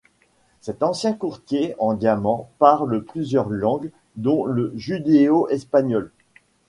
Cet ancien courtier en diamants parle plusieurs langues dont le judéo-espagnol.